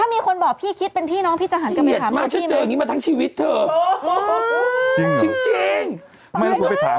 ไม่ต้องคุณไปถามก็มาคุณถาม